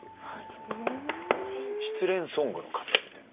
失恋ソングの型みたいな。